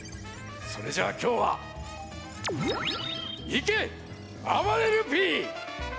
それじゃあきょうはいけあばれるＰ！